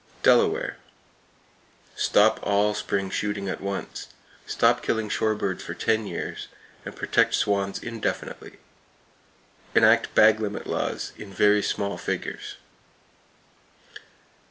Delaware: Stop all spring shooting, at once; stop killing shore birds for ten years, and protect swans indefinitely. [Page 276] Enact bag limit laws, in very small figures.